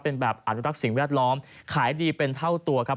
เป็นแบบอนุรักษ์สิ่งแวดล้อมขายดีเป็นเท่าตัวครับ